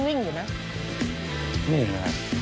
นี่ไงครับ